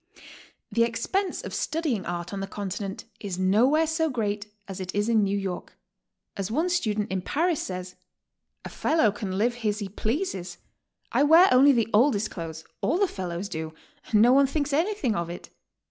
The expense of studying art on the Continent is no where so great as it is in New York. As one student in Paris says: "A fellow can live as he pleases. I wear only the oldest clothes, — all the fellows do, and no one thinks anything of it.